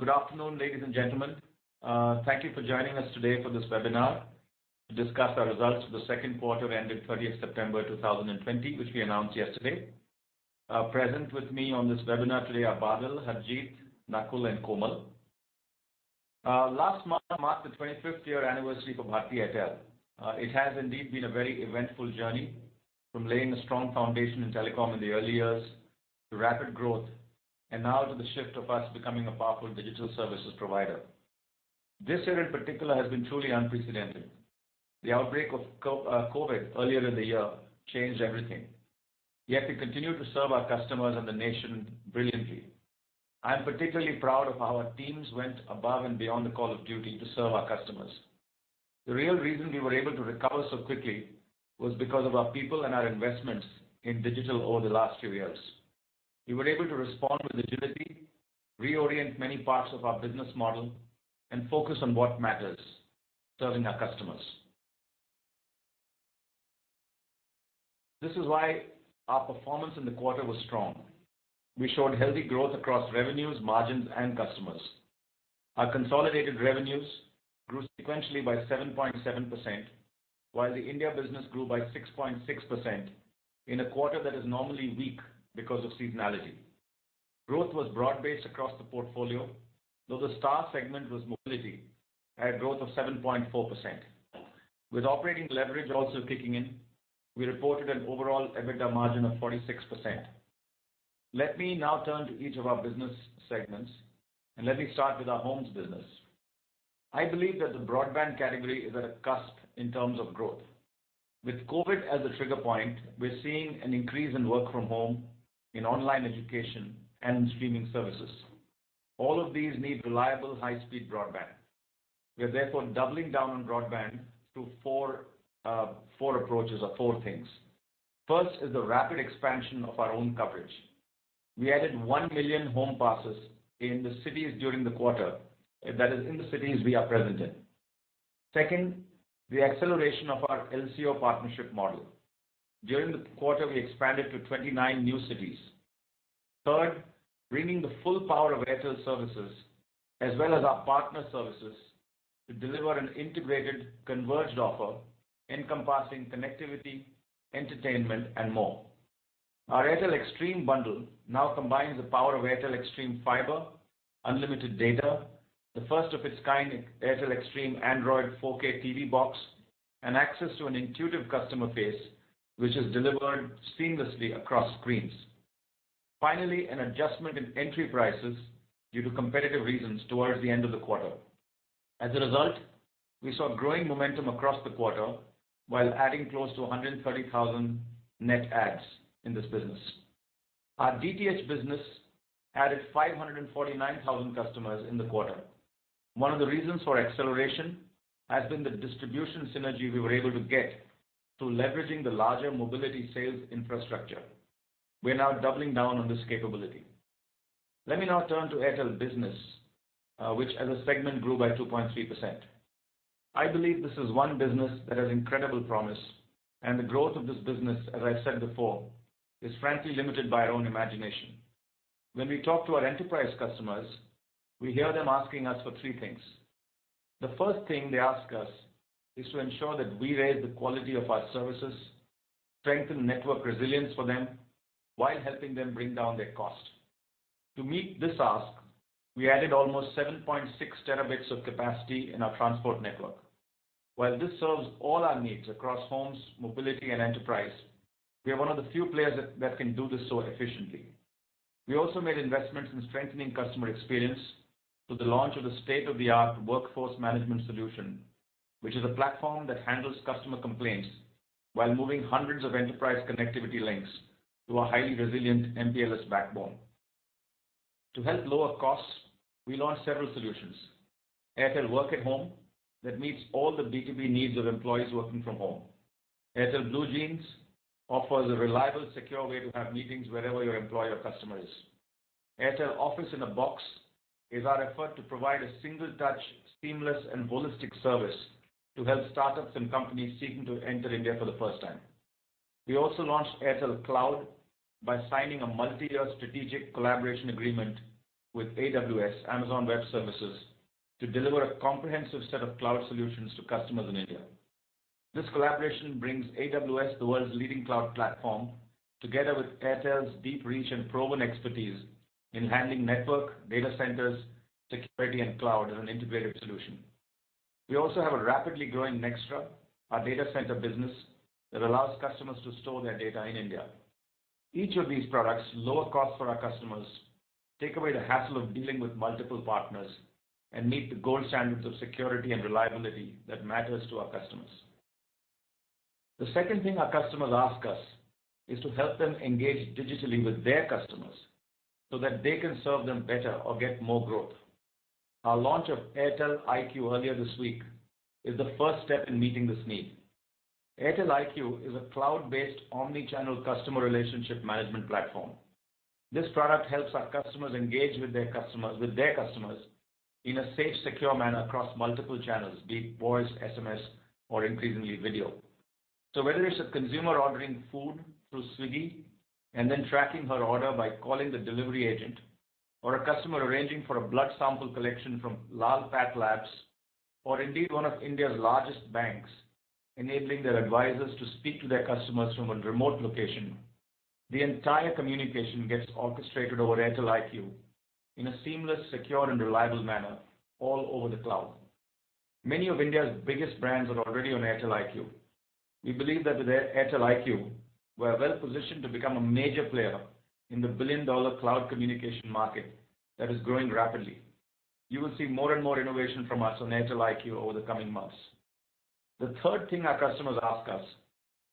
Good afternoon, ladies and gentlemen. Thank you for joining us today for this webinar to discuss our results for the second quarter ended 30 September 2020, which we announced yesterday. Present with me on this webinar today are Badal, Harjeet, Nakul, and Komal. Last month marked the 25th-year anniversary for Bharti Airtel. It has indeed been a very eventful journey from laying a strong foundation in telecom in the early years, to rapid growth, and now to the shift of us becoming a powerful digital services provider. This year in particular has been truly unprecedented. The outbreak of COVID earlier in the year changed everything. Yet we continued to serve our customers and the nation brilliantly. I'm particularly proud of how our teams went above and beyond the call of duty to serve our customers. The real reason we were able to recover so quickly was because of our people and our investments in digital over the last few years. We were able to respond with agility, reorient many parts of our business model, and focus on what matters: serving our customers. This is why our performance in the quarter was strong. We showed healthy growth across revenues, margins, and customers. Our consolidated revenues grew sequentially by 7.7%, while the India business grew by 6.6% in a quarter that is normally weak because of seasonality. Growth was broad-based across the portfolio, though the star segment was mobility, at a growth of 7.4%. With operating leverage also kicking in, we reported an overall EBITDA margin of 46%. Let me now turn to each of our business segments, and let me start with our homes business. I believe that the broadband category is at a cusp in terms of growth. With COVID as a trigger point, we are seeing an increase in work from home, in online education, and in streaming services. All of these need reliable, high-speed broadband. We are therefore doubling down on broadband through four approaches or four things. First is the rapid expansion of our own coverage. We added 1 million home passes in the cities during the quarter, that is, in the cities we are present in. Second, the acceleration of our LCO partnership model. During the quarter, we expanded to 29 new cities. Third, bringing the full power of Airtel services, as well as our partner services, to deliver an integrated, converged offer encompassing connectivity, entertainment, and more. Our Airtel Xstream bundle now combines the power of Airtel Xstream Fiber, unlimited data, the first of its kind Airtel Xstream Android 4K TV box, and access to an intuitive customer face, which is delivered seamlessly across screens. Finally, an adjustment in entry prices due to competitive reasons towards the end of the quarter. As a result, we saw growing momentum across the quarter while adding close to 130,000 net adds in this business. Our DTH business added 549,000 customers in the quarter. One of the reasons for acceleration has been the distribution synergy we were able to get through leveraging the larger mobility sales infrastructure. We're now doubling down on this capability. Let me now turn to Airtel business, which as a segment grew by 2.3%. I believe this is one business that has incredible promise, and the growth of this business, as I've said before, is frankly limited by our own imagination. When we talk to our enterprise customers, we hear them asking us for three things. The first thing they ask us is to ensure that we raise the quality of our services, strengthen network resilience for them, while helping them bring down their cost. To meet this ask, we added almost 7.6 TB of capacity in our transport network. While this serves all our needs across homes, mobility, and enterprise, we are one of the few players that can do this so efficiently. We also made investments in strengthening customer experience through the launch of a state-of-the-art workforce management solution, which is a platform that handles customer complaints while moving hundreds of enterprise connectivity links to a highly resilient MPLS backbone. To help lower costs, we launched several solutions: Airtel Work at Home, that meets all the B2B needs of employees working from home; Airtel BlueJeans, offers a reliable, secure way to have meetings wherever your employee or customer is; Airtel Office in a Box, is our effort to provide a single-touch, seamless, and holistic service to help startups and companies seeking to enter India for the first time. We also launched Airtel Cloud by signing a multi-year strategic collaboration agreement with AWS, Amazon Web Services, to deliver a comprehensive set of cloud solutions to customers in India. This collaboration brings AWS, the world's leading cloud platform, together with Airtel's deep reach and proven expertise in handling network, data centers, security, and cloud as an integrated solution. We also have a rapidly growing Nextra, our data center business, that allows customers to store their data in India. Each of these products lowers costs for our customers, takes away the hassle of dealing with multiple partners, and meets the gold standards of security and reliability that matter to our customers. The second thing our customers ask us is to help them engage digitally with their customers so that they can serve them better or get more growth. Our launch of Airtel IQ earlier this week is the first step in meeting this need. Airtel IQ is a cloud-based omnichannel customer relationship management platform. This product helps our customers engage with their customers in a safe, secure manner across multiple channels: be it voice, SMS, or increasingly video. Whether it's a consumer ordering food through Swiggy, and then tracking her order by calling the delivery agent, or a customer arranging for a blood sample collection from Lal PathLabs, or indeed one of India's largest banks, enabling their advisors to speak to their customers from a remote location, the entire communication gets orchestrated over Airtel IQ in a seamless, secure, and reliable manner all over the cloud. Many of India's biggest brands are already on Airtel IQ. We believe that with Airtel IQ, we are well positioned to become a major player in the billion-dollar cloud communication market that is growing rapidly. You will see more and more innovation from us on Airtel IQ over the coming months. The third thing our customers ask us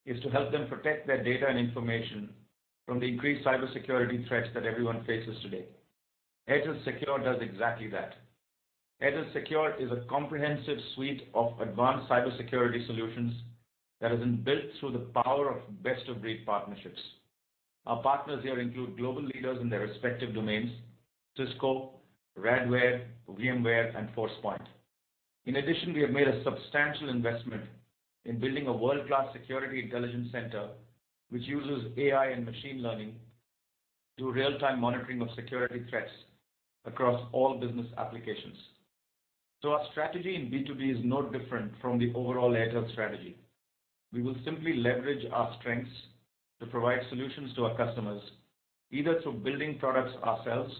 is to help them protect their data and information from the increased cybersecurity threats that everyone faces today. Airtel Secure does exactly that. Airtel Secure is a comprehensive suite of advanced cybersecurity solutions that has been built through the power of best-of-breed partnerships. Our partners here include global leaders in their respective domains: Cisco, Radware, VMware, and Forcepoint. In addition, we have made a substantial investment in building a world-class security intelligence center, which uses AI and machine learning to do real-time monitoring of security threats across all business applications. Our strategy in B2B is no different from the overall Airtel strategy. We will simply leverage our strengths to provide solutions to our customers, either through building products ourselves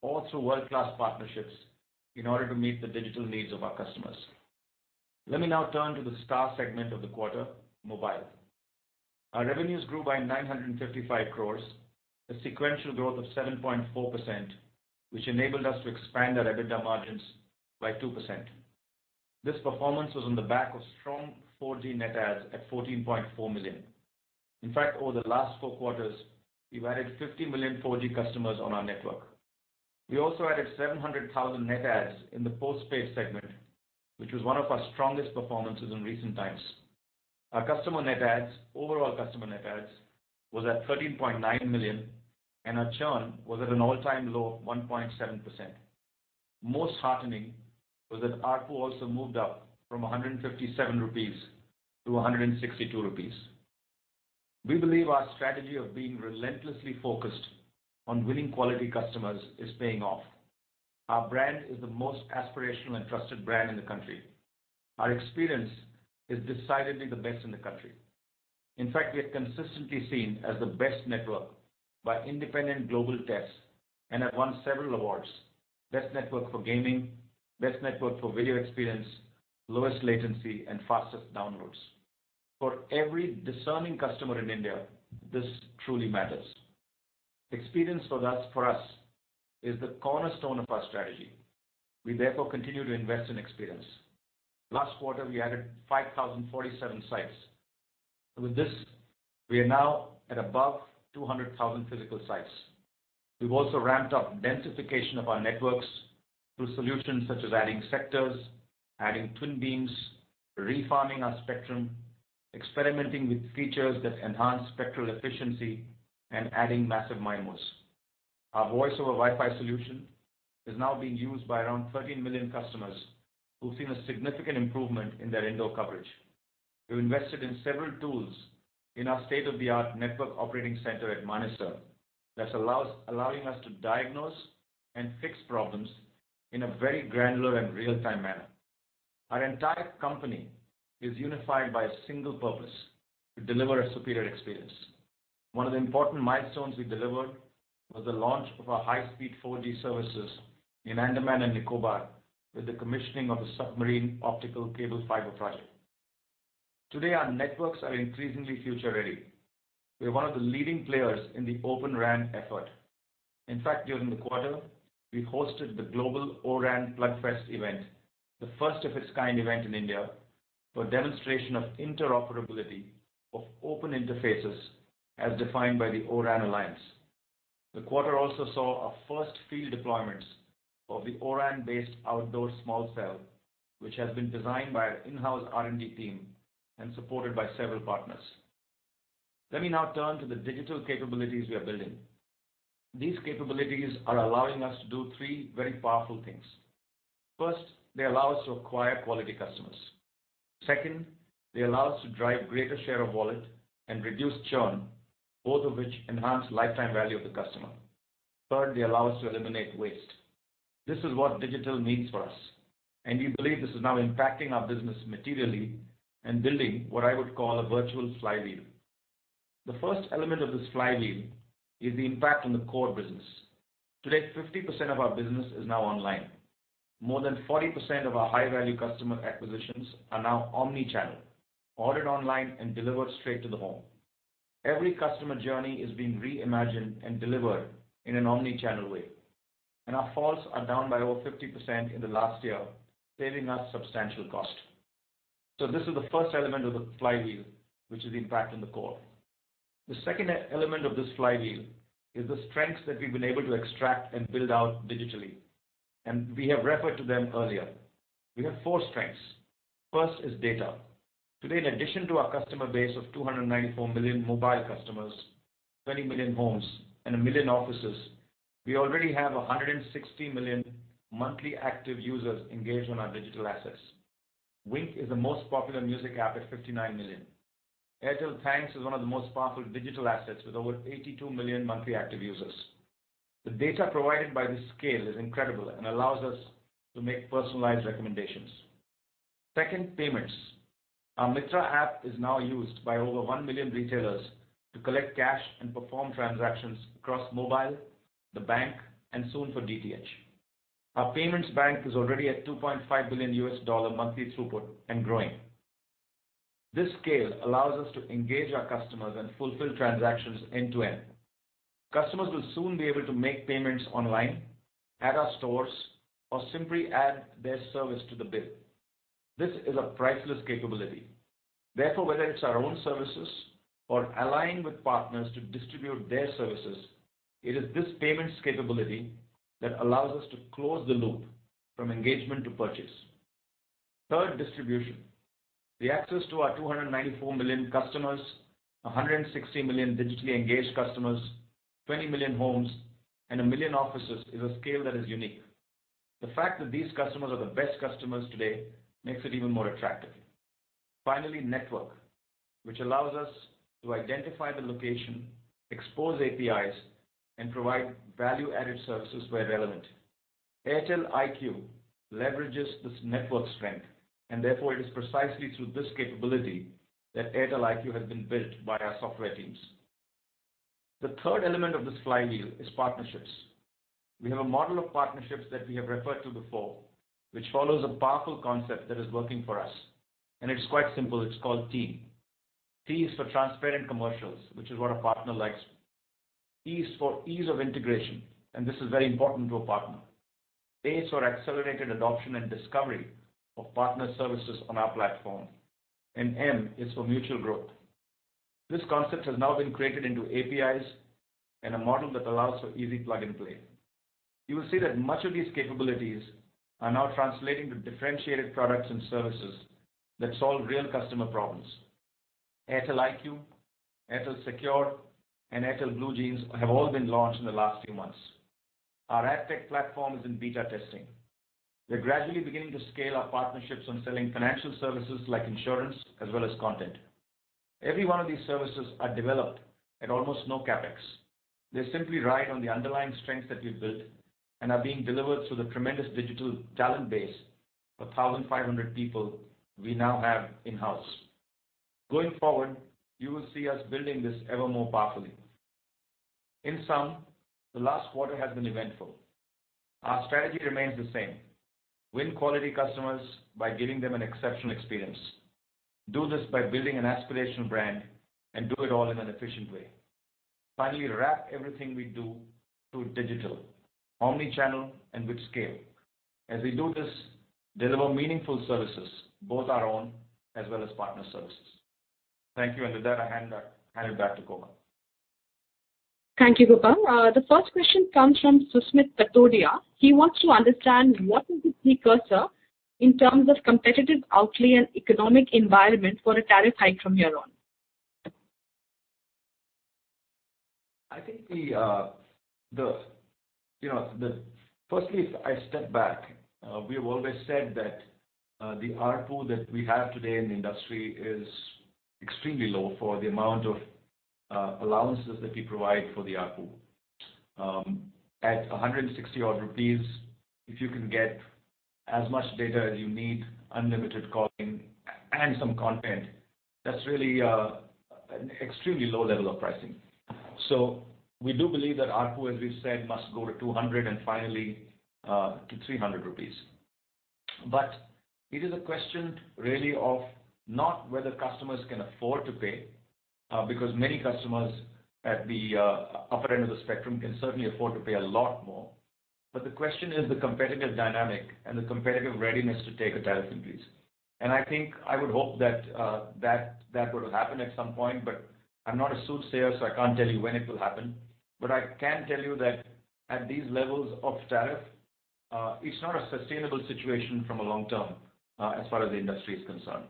or through world-class partnerships in order to meet the digital needs of our customers. Let me now turn to the star segment of the quarter: mobile. Our revenues grew by 955 crores, a sequential growth of 7.4%, which enabled us to expand our EBITDA margins by 2%. This performance was on the back of strong 4G net adds at 14.4 million. In fact, over the last four quarters, we've added 50 million 4G customers on our network. We also added 700,000 net adds in the postpaid segment, which was one of our strongest performances in recent times. Our customer net adds, overall customer net adds, was at 13.9 million, and our churn was at an all-time low of 1.7%. Most heartening was that ARPU also moved up from 157 rupees to 162 rupees. We believe our strategy of being relentlessly focused on winning quality customers is paying off. Our brand is the most aspirational and trusted brand in the country. Our experience is decidedly the best in the country. In fact, we are consistently seen as the best network by independent global tests and have won several awards: best network for gaming, best network for video experience, lowest latency, and fastest downloads. For every discerning customer in India, this truly matters. Experience for us is the cornerstone of our strategy. We therefore continue to invest in experience. Last quarter, we added 5,047 sites. With this, we are now at above 200,000 physical sites. We've also ramped up densification of our networks through solutions such as adding sectors, adding twin beams, refarming our spectrum, experimenting with features that enhance spectral efficiency, and adding massive MIMOs. Our voice-over Wi-Fi solution is now being used by around 13 million customers who've seen a significant improvement in their indoor coverage. We've invested in several tools in our state-of-the-art network operating center at Manesar, that's allowing us to diagnose and fix problems in a very granular and real-time manner. Our entire company is unified by a single purpose: to deliver a superior experience. One of the important milestones we delivered was the launch of our high-speed 4G services in Andaman and Nicobar, with the commissioning of the submarine optical cable fiber project. Today, our networks are increasingly future-ready. We're one of the leading players in the Open RAN effort. In fact, during the quarter, we hosted the global O-RAN Plugfest event, the first of its kind event in India, for a demonstration of interoperability of open interfaces as defined by the O-RAN Alliance. The quarter also saw our first field deployments of the O-RAN-based outdoor small cell, which has been designed by our in-house R&D team and supported by several partners. Let me now turn to the digital capabilities we are building. These capabilities are allowing us to do three very powerful things. First, they allow us to acquire quality customers. Second, they allow us to drive greater share of wallet and reduce churn, both of which enhance lifetime value of the customer. Third, they allow us to eliminate waste. This is what digital means for us, and we believe this is now impacting our business materially and building what I would call a virtual flywheel. The first element of this flywheel is the impact on the core business. Today, 50% of our business is now online. More than 40% of our high-value customer acquisitions are now omnichannel, ordered online and delivered straight to the home. Every customer journey is being reimagined and delivered in an omnichannel way, and our falls are down by over 50% in the last year, saving us substantial cost. This is the first element of the flywheel, which is the impact on the core. The second element of this flywheel is the strengths that we've been able to extract and build out digitally, and we have referred to them earlier. We have four strengths. First is data. Today, in addition to our customer base of 294 million mobile customers, 20 million homes, and a million offices, we already have 160 million monthly active users engaged on our digital assets. Wink is the most popular music app at 59 million. Airtel Thanks is one of the most powerful digital assets with over 82 million monthly active users. The data provided by this scale is incredible and allows us to make personalized recommendations. Second, payments. Our Mitra app is now used by over 1 million retailers to collect cash and perform transactions across mobile, the bank, and soon for DTH. Our payments bank is already at $2.5 billion monthly throughput and growing. This scale allows us to engage our customers and fulfill transactions end-to-end. Customers will soon be able to make payments online, at our stores, or simply add their service to the bill. This is a priceless capability. Therefore, whether it is our own services or allying with partners to distribute their services, it is this payments capability that allows us to close the loop from engagement to purchase. Third, distribution. The access to our 294 million customers, 160 million digitally engaged customers, 20 million homes, and a million offices is a scale that is unique. The fact that these customers are the best customers today makes it even more attractive. Finally, network, which allows us to identify the location, expose APIs, and provide value-added services where relevant. Airtel IQ leverages this network strength, and therefore it is precisely through this capability that Airtel IQ has been built by our software teams. The third element of this flywheel is partnerships. We have a model of partnerships that we have referred to before, which follows a powerful concept that is working for us, and it's quite simple. It's called TEAM. T is for transparent commercials, which is what a partner likes. E is for ease of integration, and this is very important to a partner. A is for accelerated adoption and discovery of partner services on our platform, and M is for mutual growth. This concept has now been created into APIs and a model that allows for easy plug-and-play. You will see that much of these capabilities are now translating to differentiated products and services that solve real customer problems. Airtel IQ, Airtel Secure, and Airtel BlueJeans have all been launched in the last few months. Our AdTech platform is in beta testing. We're gradually beginning to scale our partnerships on selling financial services like insurance as well as content. Every one of these services is developed at almost no CapEx. They simply ride on the underlying strengths that we've built and are being delivered through the tremendous digital talent base of 1,500 people we now have in-house. Going forward, you will see us building this ever more powerfully. In sum, the last quarter has been eventful. Our strategy remains the same: win quality customers by giving them an exceptional experience. Do this by building an aspirational brand and do it all in an efficient way. Finally, wrap everything we do through digital, omnichannel, and with scale. As we do this, deliver meaningful services, both our own as well as partner services. Thank you, and with that, I hand it back to Gopal. Thank you, Gopal. The first question comes from Sousmit Patodia. He wants to understand what is the precursor in terms of competitive outlay and economic environment for a tariff hike from here on. I think, you know, firstly, if I step back, we have always said that the ARPU that we have today in the industry is extremely low for the amount of allowances that we provide for the ARPU. At 160 rupees odd, if you can get as much data as you need, unlimited calling, and some content, that's really an extremely low level of pricing. We do believe that ARPU, as we've said, must go to 200 and finally to 300 rupees. It is a question really of not whether customers can afford to pay, because many customers at the upper end of the spectrum can certainly afford to pay a lot more. The question is the competitive dynamic and the competitive readiness to take a tariff increase. I would hope that that would have happened at some point, but I'm not a soothsayer, so I can't tell you when it will happen. I can tell you that at these levels of tariff, it's not a sustainable situation from a long term as far as the industry is concerned.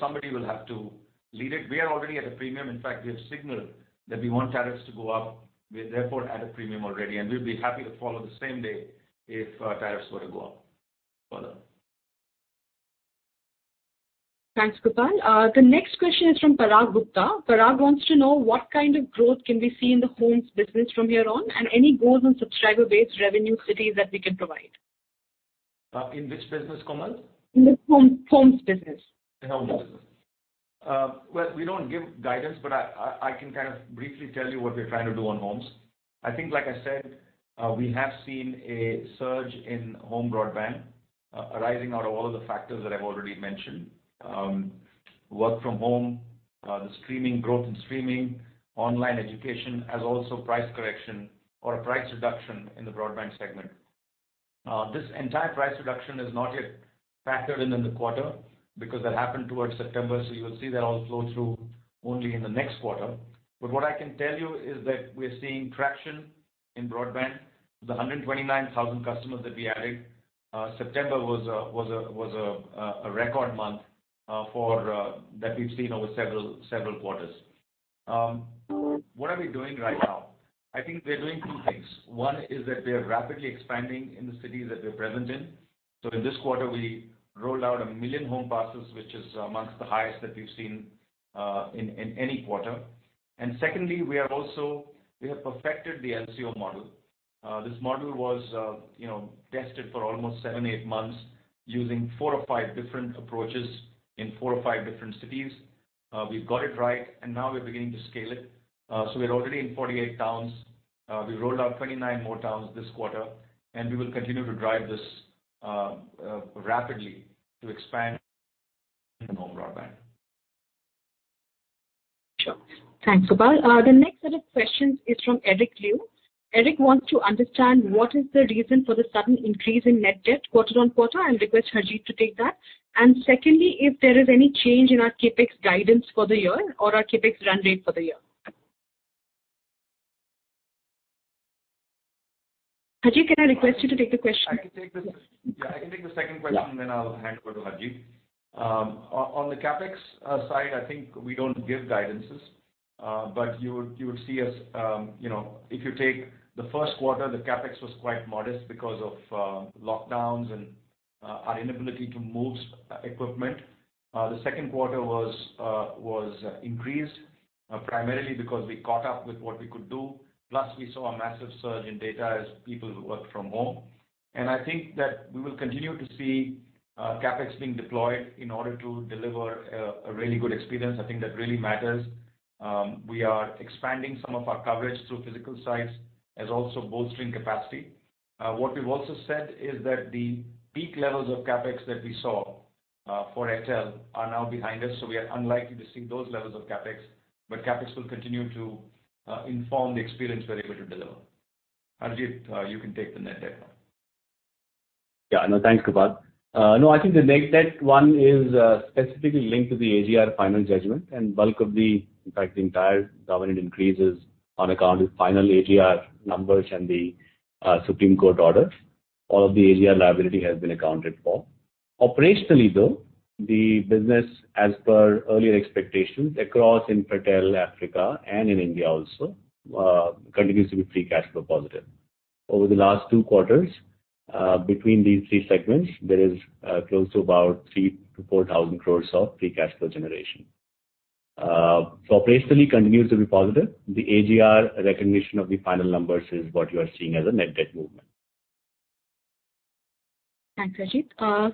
Somebody will have to lead it. We are already at a premium. In fact, we have signaled that we want tariffs to go up. We have therefore added premium already, and we'd be happy to follow the same day if tariffs were to go up further. Thanks, Gopal. The next question is from Parag Gupta. Parag wants to know what kind of growth can we see in the homes business from here on and any goals on subscriber-based revenue cities that we can provide. In which business, Komal? In the homes business. The homes business. We do not give guidance, but I can kind of briefly tell you what we're trying to do on homes. I think, like I said, we have seen a surge in home broadband arising out of all of the factors that I've already mentioned: work from home, the growth in streaming, online education, as well as price correction or a price reduction in the broadband segment. This entire price reduction is not yet factored in in the quarter because that happened towards September, so you will see that all flow through only in the next quarter. What I can tell you is that we are seeing traction in broadband. The 129,000 customers that we added, September was a record month that we've seen over several quarters. What are we doing right now? I think we're doing two things. One is that we are rapidly expanding in the cities that we're present in. In this quarter, we rolled out a million home passes, which is amongst the highest that we've seen in any quarter. Secondly, we are also—we have perfected the LCO model. This model was, you know, tested for almost seven, eight months using four or five different approaches in four or five different cities. We've got it right, and now we're beginning to scale it. We're already in 48 towns. We rolled out 29 more towns this quarter, and we will continue to drive this rapidly to expand in home broadband. Sure. Thanks, Gopal. The next set of questions is from Eric Liu. Eric wants to understand what is the reason for the sudden increase in net debt quarter on quarter and requests Harjeet to take that. Secondly, if there is any change in our CapEx guidance for the year or our CapEx run rate for the year. Harjeet, can I request you to take the question? I can take the second question, and then I'll hand it over to Harjeet. On the CapEx side, I think we don't give guidances, but you would see us, you know, if you take the first quarter, the CapEx was quite modest because of lockdowns and our inability to move equipment. The second quarter was increased primarily because we caught up with what we could do. Plus, we saw a massive surge in data as people worked from home. I think that we will continue to see CapEx being deployed in order to deliver a really good experience. I think that really matters. We are expanding some of our coverage through physical sites as well as bolstering capacity. What we've also said is that the peak levels of CapEx that we saw for Airtel are now behind us, so we are unlikely to see those levels of CapEx, but CapEx will continue to inform the experience we're able to deliver. Harjeet, you can take the net debt one. Yeah, no, thanks, Gopal. No, I think the net debt one is specifically linked to the AGR final judgment, and bulk of the—in fact, the entire government increase is on account of final AGR numbers and the Supreme Court orders. All of the AGR liability has been accounted for. Operationally, though, the business, as per earlier expectations across Infratel Africa and in India also, continues to be free cash flow positive. Over the last two quarters, between these three segments, there is close to about 3,000-4,000 crores of free cash flow generation. Operationally, it continues to be positive. The AGR recognition of the final numbers is what you are seeing as a net debt movement. Thanks, Harjeet.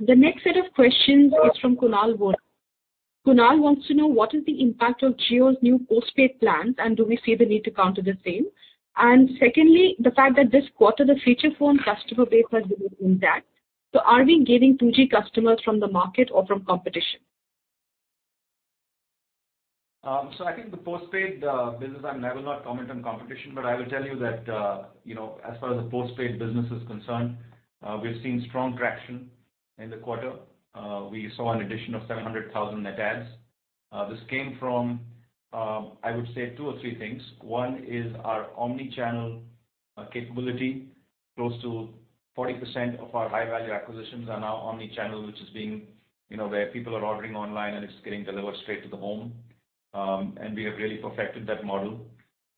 The next set of questions is from Kunal Wur. Kunal wants to know what is the impact of Jio's new postpaid plans, and do we see the need to counter the same? Secondly, the fact that this quarter, the feature phone customer base has been intact. Are we gaining 2G customers from the market or from competition? I think the postpaid business—I will not comment on competition, but I will tell you that, you know, as far as the postpaid business is concerned, we've seen strong traction in the quarter. We saw an addition of 700,000 net adds. This came from, I would say, two or three things. One is our omnichannel capability. Close to 40% of our high-value acquisitions are now omnichannel, which is being, you know, where people are ordering online and it is getting delivered straight to the home. We have really perfected that model.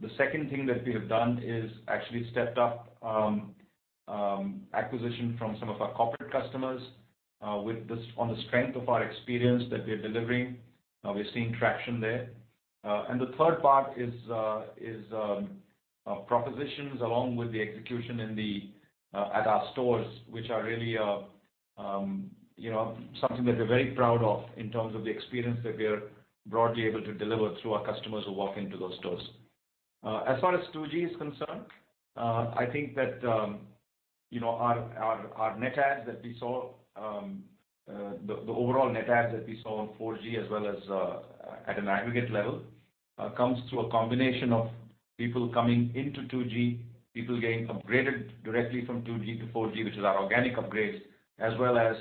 The second thing that we have done is actually stepped up acquisition from some of our corporate customers with this on the strength of our experience that we are delivering. We are seeing traction there. The third part is propositions along with the execution at our stores, which are really, you know, something that we are very proud of in terms of the experience that we are broadly able to deliver through our customers who walk into those stores. As far as 2G is concerned, I think that, you know, our net adds that we saw, the overall net adds that we saw on 4G as well as at an aggregate level, comes through a combination of people coming into 2G, people getting upgraded directly from 2G to 4G, which is our organic upgrades, as well as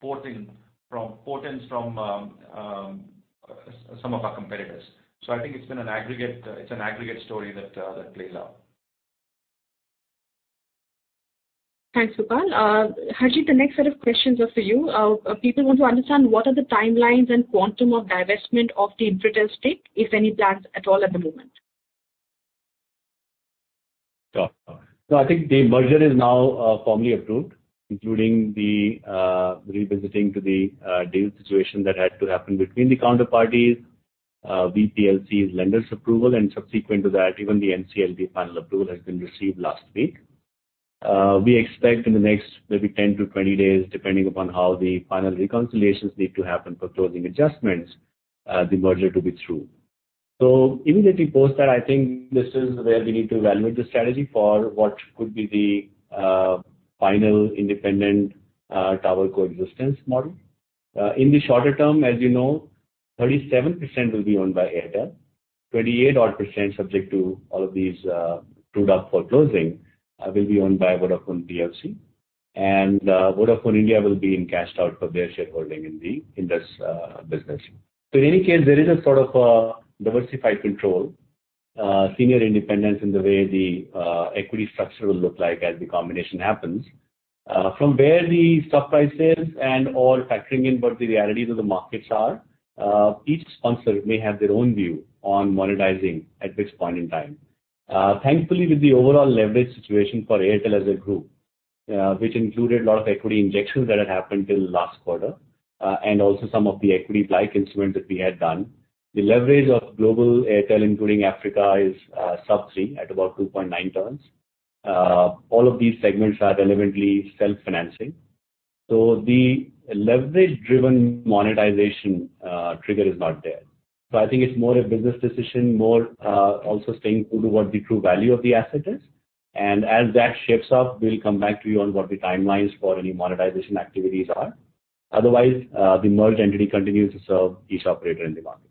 porting from some of our competitors. I think it's been an aggregate story that plays out. Thanks, Gopal. Harjeet, the next set of questions are for you. People want to understand what are the timelines and quantum of divestment of the Infratel stake, if any plans at all at the moment? Sure. I think the merger is now formally approved, including the revisiting to the deal situation that had to happen between the counterparties, VPLC's lenders' approval, and subsequent to that, even the NCLT final approval has been received last week. We expect in the next maybe 10-20 days, depending upon how the final reconciliations need to happen for closing adjustments, the merger to be through. Immediately post that, I think this is where we need to evaluate the strategy for what could be the final independent tower coexistence model. In the shorter term, as you know, 37% will be owned by Airtel. 28%, subject to all of these true-up for closing, will be owned by Vodafone. Vodafone India will be encashed out for their shareholding in this business. In any case, there is a sort of diversified control, senior independence in the way the equity structure will look like as the combination happens. From where the stock prices and all factoring in what the realities of the markets are, each sponsor may have their own view on monetizing at which point in time. Thankfully, with the overall leverage situation for Airtel as a group, which included a lot of equity injections that had happened till last quarter and also some of the equity-like instruments that we had done, the leverage of global Airtel, including Africa, is sub-three at about 2.9 turns. All of these segments are relevantly self-financing. The leverage-driven monetization trigger is not there. I think it's more a business decision, more also staying true to what the true value of the asset is. As that shifts up, we'll come back to you on what the timelines for any monetization activities are. Otherwise, the merged entity continues to serve each operator in the market.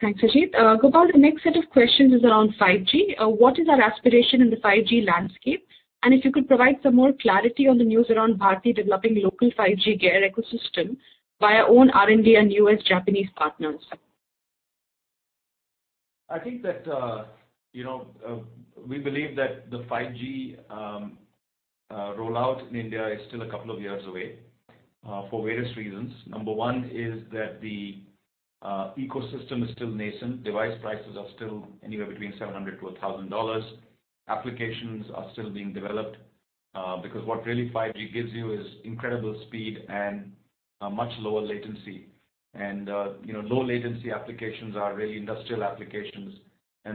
Thanks, Harjeet. Gopal, the next set of questions is around 5G. What is our aspiration in the 5G landscape? If you could provide some more clarity on the news around Bharti developing local 5G gear ecosystem via own R&D and US-Japanese partners. I think that, you know, we believe that the 5G rollout in India is still a couple of years away for various reasons. Number one is that the ecosystem is still nascent. Device prices are still anywhere between $700-$1,000. Applications are still being developed because what really 5G gives you is incredible speed and much lower latency. You know, low-latency applications are really industrial applications.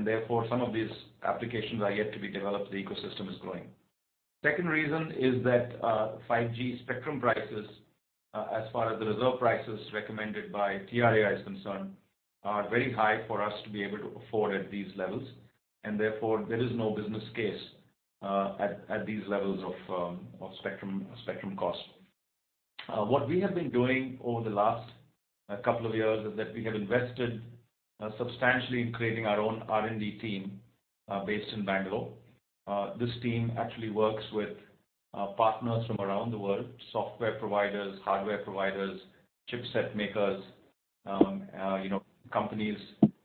Therefore, some of these applications are yet to be developed. The ecosystem is growing. The second reason is that 5G spectrum prices, as far as the reserve prices recommended by TRAI are concerned, are very high for us to be able to afford at these levels. Therefore, there is no business case at these levels of spectrum cost. What we have been doing over the last couple of years is that we have invested substantially in creating our own R&D team based in Bangalore. This team actually works with partners from around the world: software providers, hardware providers, chipset makers, you know, companies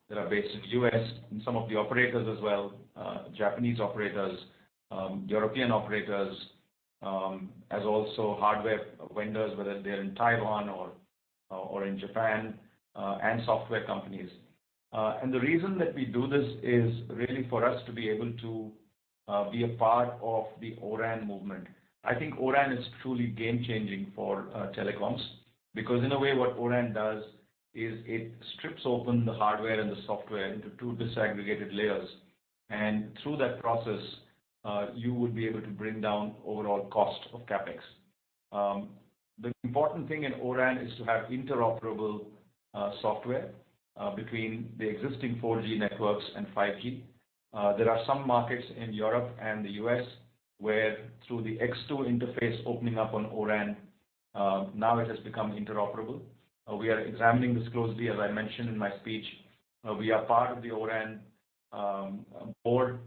that are based in the U.S., some of the operators as well, Japanese operators, European operators, as well as hardware vendors, whether they are in Taiwan or in Japan, and software companies. The reason that we do this is really for us to be able to be a part of the O-RAN movement. I think O-RAN is truly game-changing for telecoms because, in a way, what O-RAN does is it strips open the hardware and the software into two disaggregated layers. Through that process, you would be able to bring down overall cost of CapEx. The important thing in O-RAN is to have interoperable software between the existing 4G networks and 5G. There are some markets in Europe and the U.S. where, through the X2 interface opening up on O-RAN, now it has become interoperable. We are examining this closely. As I mentioned in my speech, we are part of the O-RAN board.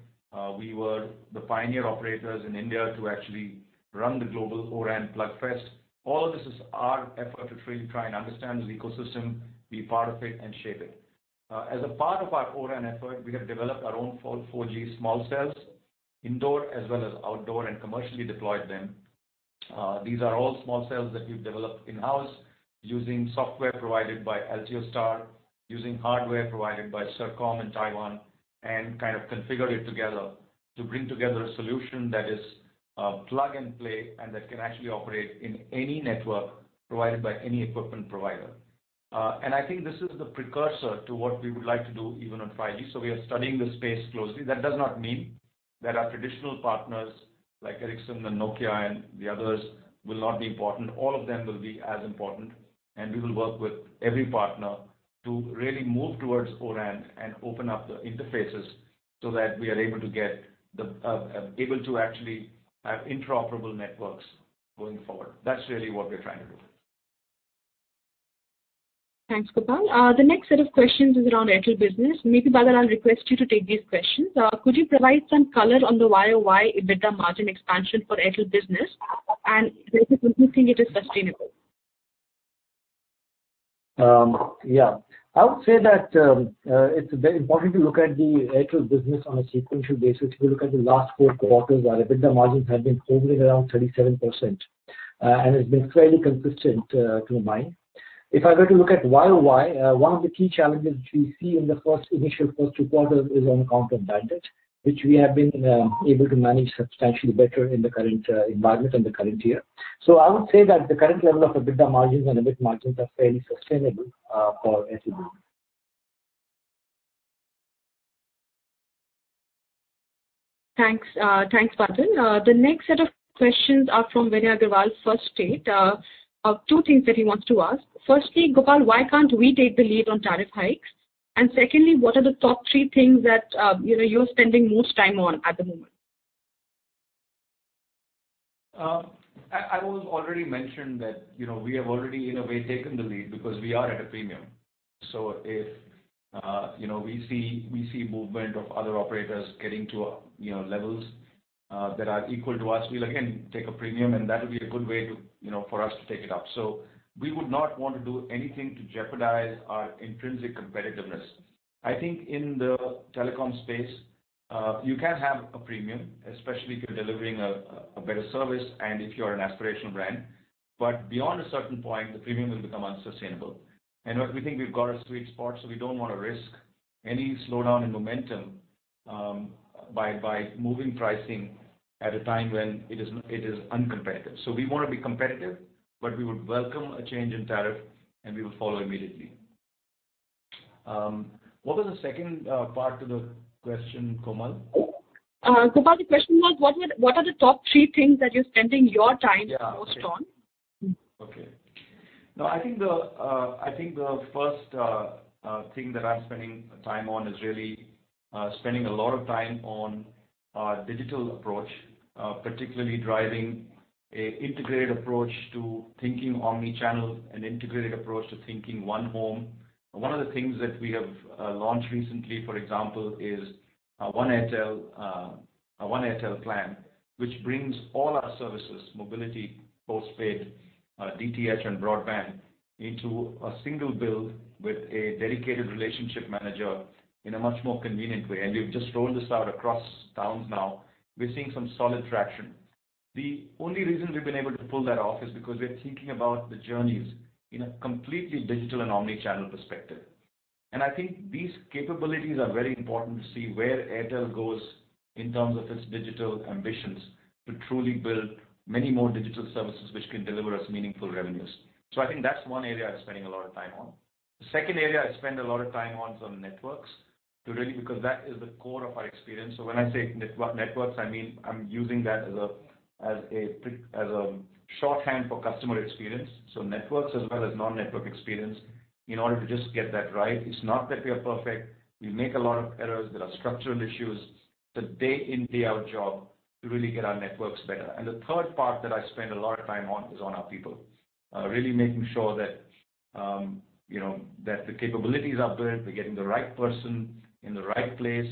We were the pioneer operators in India to actually run the global O-RAN Plug Fest. All of this is our effort to truly try and understand the ecosystem, be part of it, and shape it. As a part of our O-RAN effort, we have developed our own 4G small cells indoor as well as outdoor and commercially deployed them. These are all small cells that we've developed in-house using software provided by Altiostar, using hardware provided by Circom in Taiwan, and kind of configured it together to bring together a solution that is plug and play and that can actually operate in any network provided by any equipment provider. I think this is the precursor to what we would like to do even on 5G. We are studying the space closely. That does not mean that our traditional partners like Ericsson, Nokia, and the others will not be important. All of them will be as important. We will work with every partner to really move towards O-RAN and open up the interfaces so that we are able to actually have interoperable networks going forward. That is really what we are trying to do. Thanks, Gopal. The next set of questions is around Airtel business. Maybe Badal, I will request you to take these questions. Could you provide some color on the why or why better margin expansion for Airtel business? And do you think it is sustainable? Yeah. I would say that it is very important to look at the Airtel business on a sequential basis. If you look at the last four quarters, our EBITDA margins have been hovering around 37%, and it has been fairly consistent to mine. If I were to look at why or why, one of the key challenges we see in the first initial first two quarters is on account of bandit, which we have been able to manage substantially better in the current environment and the current year. I would say that the current level of EBITDA margins and EBIT margins are fairly sustainable for Airtel business. Thanks. Thanks, Badal. The next set of questions are from Vinay Agarwal's first state. Two things that he wants to ask. Firstly, Gopal, why can't we take the lead on tariff hikes? Secondly, what are the top three things that, you know, you're spending most time on at the moment? I will already mention that, you know, we have already, in a way, taken the lead because we are at a premium. If, you know, we see movement of other operators getting to, you know, levels that are equal to us, we'll again take a premium, and that will be a good way to, you know, for us to take it up. We would not want to do anything to jeopardize our intrinsic competitiveness. I think in the telecom space, you can have a premium, especially if you're delivering a better service and if you're an aspirational brand. Beyond a certain point, the premium will become unsustainable. We think we've got a sweet spot, so we don't want to risk any slowdown in momentum by moving pricing at a time when it is uncompetitive. We want to be competitive, but we would welcome a change in tariff, and we will follow immediately. What was the second part to the question, Komal? Gopal, the question was, what are the top three things that you're spending your time most on? Okay. No, I think the first thing that I'm spending time on is really spending a lot of time on our digital approach, particularly driving an integrated approach to thinking omnichannel and integrated approach to thinking one home. One of the things that we have launched recently, for example, is One Airtel plan, which brings all our services, mobility, postpaid, DTH, and broadband into a single bill with a dedicated relationship manager in a much more convenient way. We've just rolled this out across towns now. We're seeing some solid traction. The only reason we've been able to pull that off is because we're thinking about the journeys in a completely digital and omnichannel perspective. I think these capabilities are very important to see where Airtel goes in terms of its digital ambitions to truly build many more digital services which can deliver us meaningful revenues. I think that's one area I'm spending a lot of time on. The second area I spend a lot of time on is on networks to really, because that is the core of our experience. When I say networks, I mean I'm using that as a shorthand for customer experience. Networks as well as non-network experience in order to just get that right. It's not that we are perfect. We make a lot of errors. There are structural issues. It's a day-in and day-out job to really get our networks better. The third part that I spend a lot of time on is on our people, really making sure that, you know, that the capabilities are built, we're getting the right person in the right place,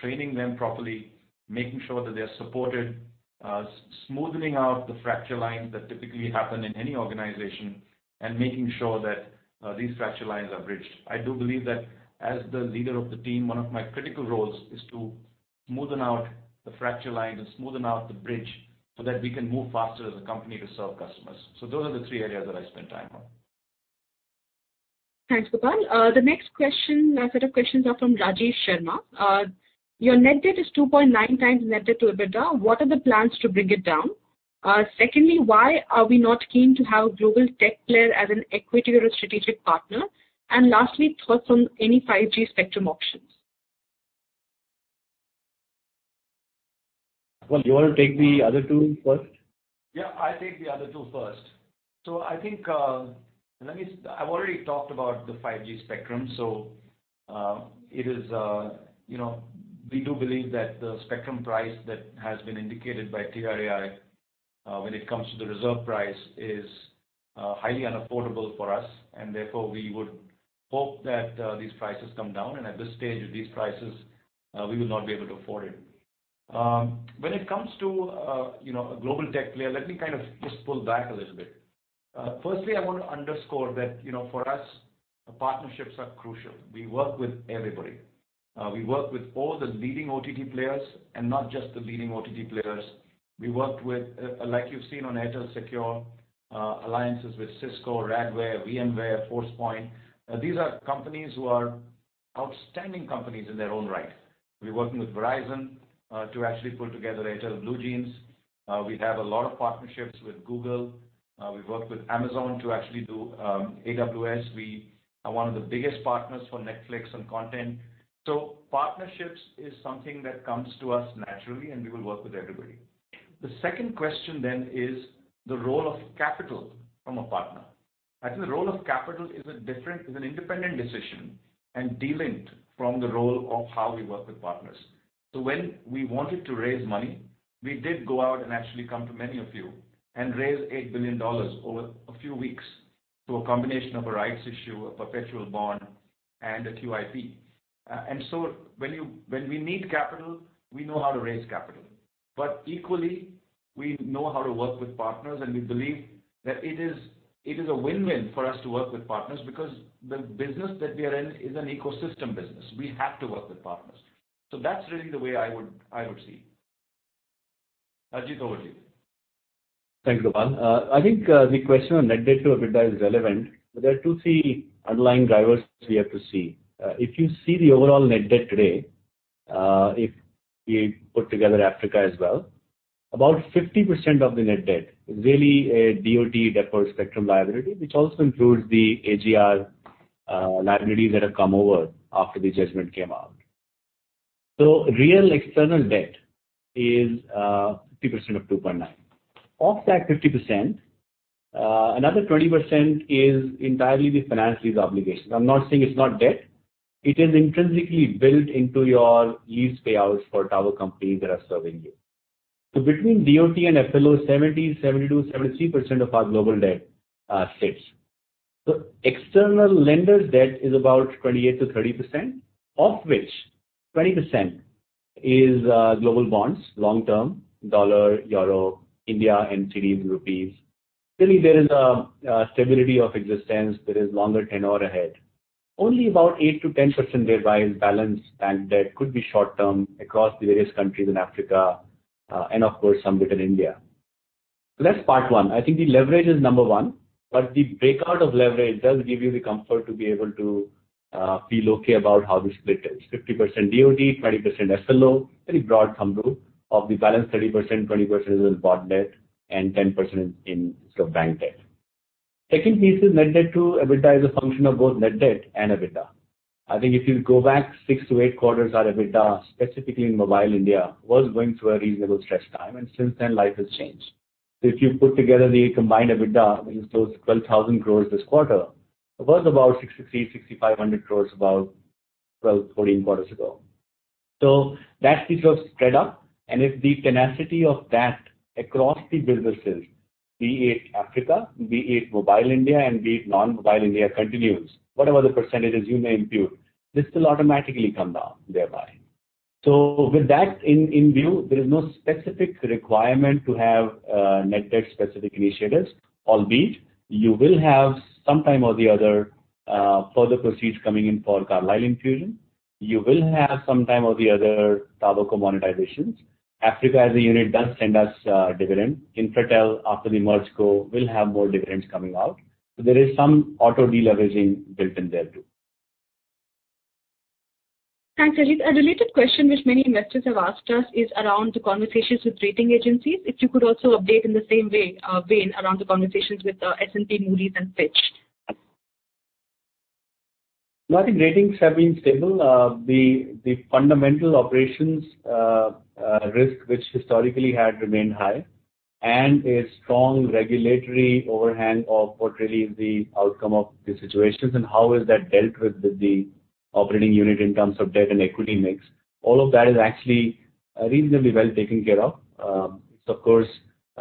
training them properly, making sure that they're supported, smoothening out the fracture lines that typically happen in any organization, and making sure that these fracture lines are bridged. I do believe that as the leader of the team, one of my critical roles is to smoothen out the fracture lines and smoothen out the bridge so that we can move faster as a company to serve customers. Those are the three areas that I spend time on. Thanks, Gopal. The next question, set of questions are from Rajesh Sharma. Your net debt is 2.9x net debt to EBITDA. What are the plans to bring it down? Secondly, why are we not keen to have a global tech player as an equity or a strategic partner? Lastly, thoughts on any 5G spectrum options? You want to take the other two first? Yeah, I'll take the other two first. I think, let me, I've already talked about the 5G spectrum. It is, you know, we do believe that the spectrum price that has been indicated by TRAI when it comes to the reserve price is highly unaffordable for us. Therefore, we would hope that these prices come down. At this stage, these prices, we will not be able to afford it. When it comes to, you know, a global tech player, let me kind of just pull back a little bit. Firstly, I want to underscore that, you know, for us, partnerships are crucial. We work with everybody. We work with all the leading OTT players and not just the leading OTT players. We worked with, like you've seen on Airtel Secure, alliances with Cisco, Radware, VMware, Forcepoint. These are companies who are outstanding companies in their own right. We're working with Verizon to actually pull together Airtel BlueJeans. We have a lot of partnerships with Google. We've worked with Amazon to actually do AWS. We are one of the biggest partners for Netflix and content. Partnerships is something that comes to us naturally, and we will work with everybody. The second question then is the role of capital from a partner. I think the role of capital is a different, is an independent decision and delinked from the role of how we work with partners. When we wanted to raise money, we did go out and actually come to many of you and raise $8 billion over a few weeks to a combination of a rights issue, a perpetual bond, and a QIP. When we need capital, we know how to raise capital. Equally, we know how to work with partners, and we believe that it is a win-win for us to work with partners because the business that we are in is an ecosystem business. We have to work with partners. That is really the way I would see. Harjeet Kohli. Thanks, Gopal. I think the question on net debt to EBITDA is relevant, but there are two key underlying drivers we have to see. If you see the overall net debt today, if we put together Africa as well, about 50% of the net debt is really a DOT-deferred spectrum liability, which also includes the AGR liabilities that have come over after the judgment came out. Real external debt is 50% of 2.9 billion. Of that 50%, another 20% is entirely the finance lease obligations. I'm not saying it's not debt. It is intrinsically built into your lease payouts for tower companies that are serving you. Between DOT and finance lease obligations, 70%-73% of our global debt sits. External lenders' debt is about 28%-30%, of which 20% is global bonds, long-term, dollar, euro, India, NCDs, and rupees. Clearly, there is a stability of existence. There is longer tenor ahead. Only about 8%-10% thereby is balanced bank debt, could be short-term across the various countries in Africa and, of course, some within India. That is part one. I think the leverage is number one, but the breakout of leverage does give you the comfort to be able to feel okay about how the split is. 50% DOT, 20% FLO, very broad thumb rule of the balance, 30%, 20% is in broad debt and 10% in sort of bank debt. Second piece is net debt to EBITDA is a function of both net debt and EBITDA. I think if you go back six to eight quarters, our EBITDA, specifically in mobile India, was going through a reasonable stress time, and since then, life has changed. If you put together the combined EBITDA, which is close to 12,000 crore this quarter, it was about 6,500 crores about 12-14 quarters ago. That piece has spread up, and if the tenacity of that across the businesses, be it Africa, be it mobile India, and be it non-mobile India, continues, whatever the percentages you may impute, this will automatically come down thereby. With that in view, there is no specific requirement to have net debt specific initiatives, albeit, you will have sometime or the other further proceeds coming in for Carlyle infusion. You will have sometime or the other Tata co-monetizations. Africa as a unit does send us dividend. Infratel after the merger will have more dividends coming out. There is some auto deleveraging built in there too. Thanks, Harjeet. A related question which many investors have asked us is around the conversations with rating agencies. If you could also update in the same way, Vain, around the conversations with S&P, Moody's, and Fitch. No, I think ratings have been stable. The fundamental operations risk, which historically had remained high, and a strong regulatory overhang of what really is the outcome of the situations and how is that dealt with with the operating unit in terms of debt and equity mix, all of that is actually reasonably well taken care of. It's, of course,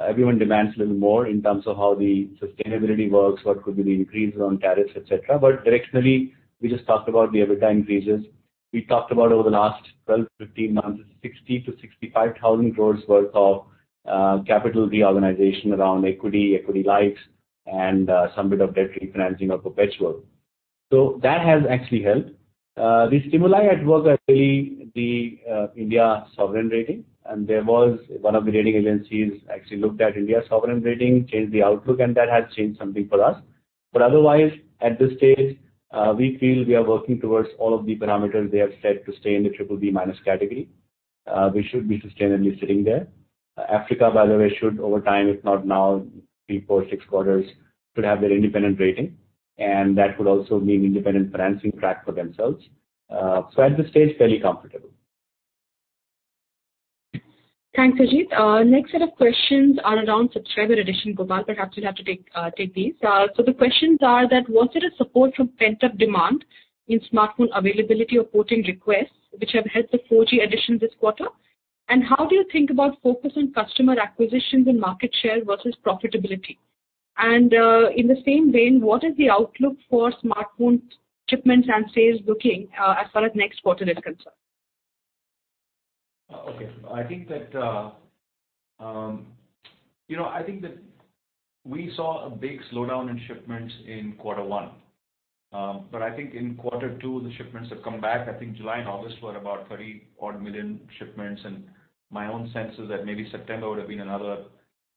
everyone demands a little more in terms of how the sustainability works, what could be the increase on tariffs, etc. Directionally, we just talked about the EBITDA increases. We talked about over the last 12-15 months, it's 60,000-65,000 crores worth of capital reorganization around equity, equity likes, and some bit of debt refinancing or perpetual. That has actually helped. The stimuli at work are really the India sovereign rating, and there was one of the rating agencies actually looked at India sovereign rating, changed the outlook, and that has changed something for us. Otherwise, at this stage, we feel we are working towards all of the parameters they have set to stay in the BBB- category. We should be sustainably sitting there. Africa, by the way, should over time, if not now, three or four, six quarters, could have their independent rating, and that would also mean independent financing track for themselves. At this stage, fairly comfortable. Thanks, Harjeet. Next set of questions are around subscriber addition. Gopal, perhaps you'll have to take these. The questions are that, was there a support from pent-up demand in smartphone availability or putting requests which have helped the 4G addition this quarter? How do you think about focus on customer acquisitions and market share versus profitability? In the same vein, what is the outlook for smartphone shipments and sales booking as far as next quarter is concerned? Okay. I think that, you know, I think that we saw a big slowdown in shipments in quarter one. I think in quarter two, the shipments have come back. I think July and August were about 30-odd million shipments, and my own sense is that maybe September would have been another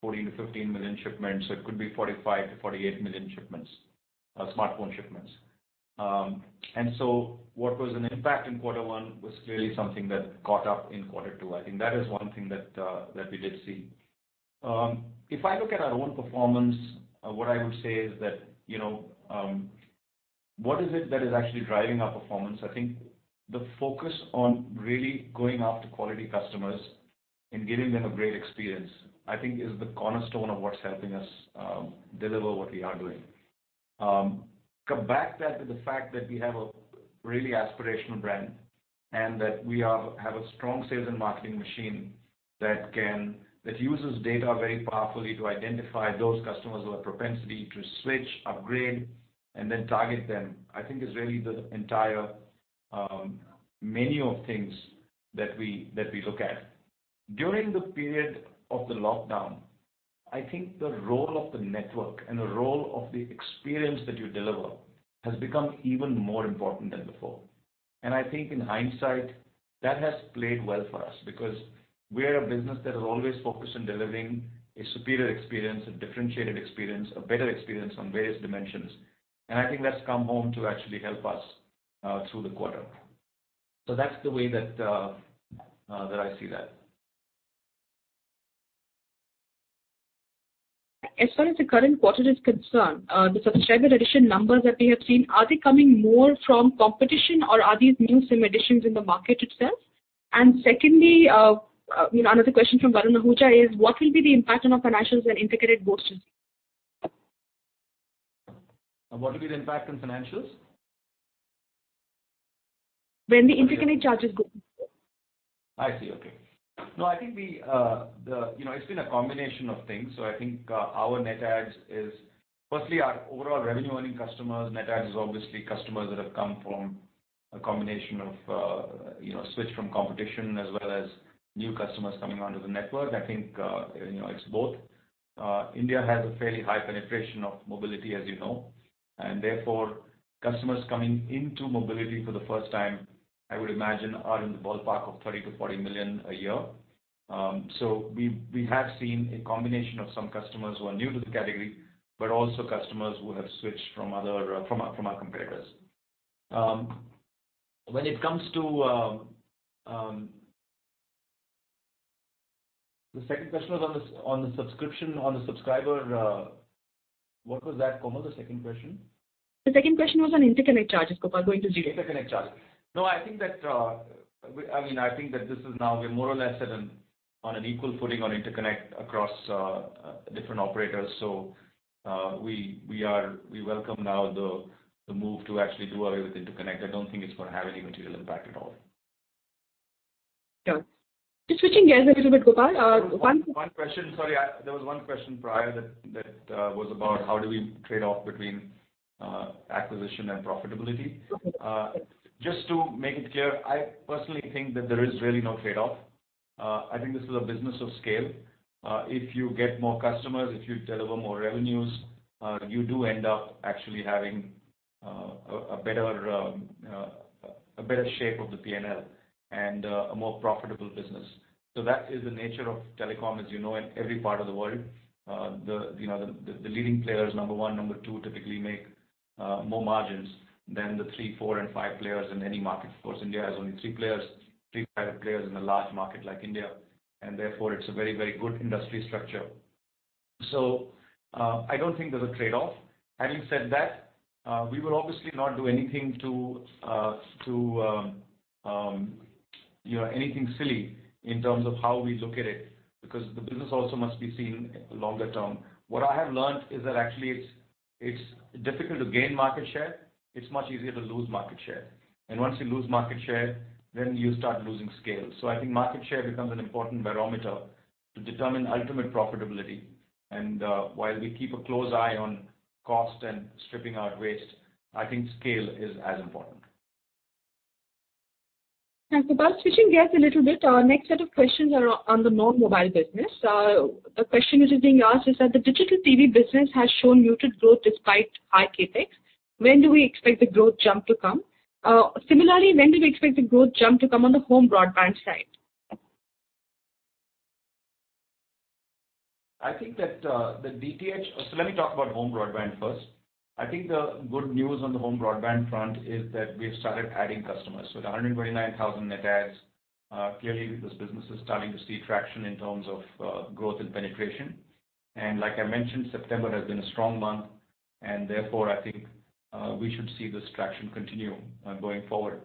14-15 million shipments. It could be 45-48 million smartphone shipments. What was an impact in quarter one was clearly something that caught up in quarter two. I think that is one thing that we did see. If I look at our own performance, what I would say is that, you know, what is it that is actually driving our performance? I think the focus on really going after quality customers and giving them a great experience, I think, is the cornerstone of what's helping us deliver what we are doing. Come back to the fact that we have a really aspirational brand and that we have a strong sales and marketing machine that uses data very powerfully to identify those customers who have propensity to switch, upgrade, and then target them. I think it's really the entire menu of things that we look at. During the period of the lockdown, I think the role of the network and the role of the experience that you deliver has become even more important than before. I think in hindsight, that has played well for us because we're a business that has always focused on delivering a superior experience, a differentiated experience, a better experience on various dimensions. I think that's come home to actually help us through the quarter. That's the way that I see that. As far as the current quarter is concerned, the subscriber addition numbers that we have seen, are they coming more from competition or are these new simulations in the market itself? Secondly, another question from Varun Ahuja is, what will be the impact on our financials and integrated goals to see? What will be the impact on financials? When the integrated charges go. I see. Okay. No, I think we, you know, it's been a combination of things. I think our net adds is, firstly, our overall revenue-earning customers. Net adds is obviously customers that have come from a combination of, you know, switch from competition as well as new customers coming onto the network. I think, you know, it's both. India has a fairly high penetration of mobility, as you know, and therefore customers coming into mobility for the first time, I would imagine, are in the ballpark of 30-40 million a year. We have seen a combination of some customers who are new to the category, but also customers who have switched from our competitors. When it comes to the second question, it was on the subscription, on the subscriber, what was that, Komal, the second question? The second question was on interconnect charges, Gopal going to zero. Interconnect charges. No, I think that, I mean, I think that this is now we're more or less on an equal footing on interconnect across different operators. We welcome now the move to actually do away with interconnect. I don't think it's going to have any material impact at all. Okay. Just switching gears a little bit, Gopal. One question, sorry, there was one question prior that was about how do we trade off between acquisition and profitability. Just to make it clear, I personally think that there is really no trade-off. I think this is a business of scale. If you get more customers, if you deliver more revenues, you do end up actually having a better shape of the P&L and a more profitable business. That is the nature of telecom, as you know, in every part of the world. The leading players, number one, number two, typically make more margins than the three, four, and five players in any market. Of course, India has only three players, three, five players in a large market like India, and therefore it's a very, very good industry structure. I don't think there's a trade-off. Having said that, we will obviously not do anything to, you know, anything silly in terms of how we look at it because the business also must be seen longer term. What I have learned is that actually it's difficult to gain market share. It's much easier to lose market share. Once you lose market share, then you start losing scale. I think market share becomes an important barometer to determine ultimate profitability. While we keep a close eye on cost and stripping out waste, I think scale is as important. Thanks, Gopal. Switching gears a little bit, our next set of questions are on the non-mobile business. The question which is being asked is that the digital TV business has shown muted growth despite high CapEx. When do we expect the growth jump to come? Similarly, when do we expect the growth jump to come on the home broadband side? I think that the DTH, so let me talk about home broadband first. I think the good news on the home broadband front is that we've started adding customers. The 129,000 net adds, clearly this business is starting to see traction in terms of growth and penetration. Like I mentioned, September has been a strong month, and therefore I think we should see this traction continue going forward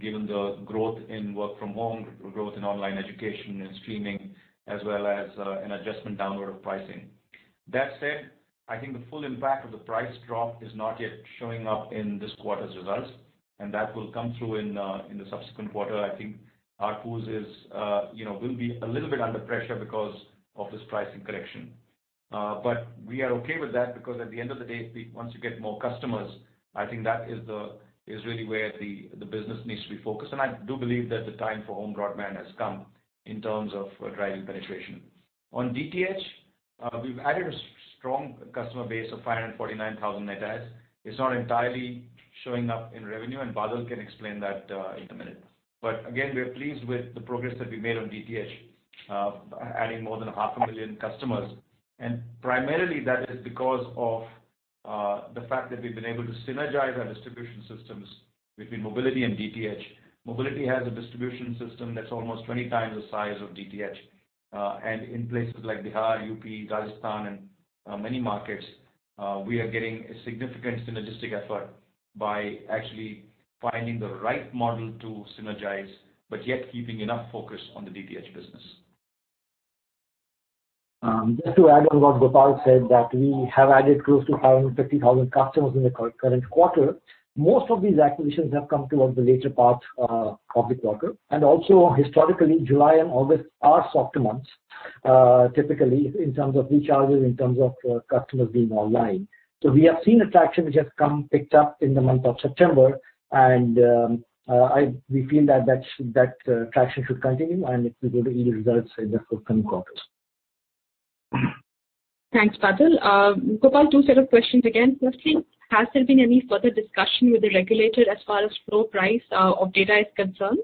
given the growth in work from home, growth in online education and streaming, as well as an adjustment downward of pricing. That said, I think the full impact of the price drop is not yet showing up in this quarter's results, and that will come through in the subsequent quarter. I think ARPUs will be a little bit under pressure because of this pricing correction. We are okay with that because at the end of the day, once you get more customers, I think that is really where the business needs to be focused. I do believe that the time for home broadband has come in terms of driving penetration. On DTH, we've added a strong customer base of 549,000 net adds. It's not entirely showing up in revenue, and Badal can explain that in a minute. We are pleased with the progress that we made on DTH, adding more than 500,000 customers. Primarily that is because of the fact that we've been able to synergize our distribution systems between mobility and DTH. Mobility has a distribution system that's almost 20 times the size of DTH. In places like Bihar, Uttar Pradesh, Rajasthan, and many markets, we are getting a significant synergistic effort by actually finding the right model to synergize, but yet keeping enough focus on the DTH business. Just to add on what Gopal said, we have added close to 550,000 customers in the current quarter. Most of these acquisitions have come towards the later part of the quarter. Also, historically, July and August are softer months, typically in terms of recharges, in terms of customers being online. We have seen a traction which has come picked up in the month of September, and we feel that that traction should continue and it will go to easy results in the forthcoming quarters. Thanks, Badal. Gopal, two set of questions again. Firstly, has there been any further discussion with the regulator as far as floor price of data is concerned?